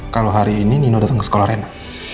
kalau hari ini nino datang ke sekolah rena